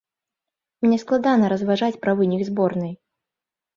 Мне складана разважаць пра вынік зборнай.